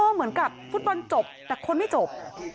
เหมือนกับฟุตบอลจบแต่คนไม่จบ